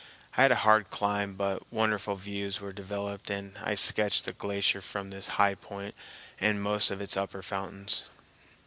I had a hard climb, but wonderful views were developed and I sketched the glacier from this high point and most of its upper fountains.